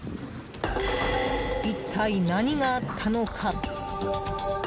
一体、何があったのか。